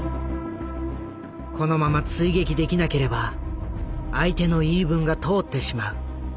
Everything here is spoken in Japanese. このまま追撃できなければ相手の言い分が通ってしまう。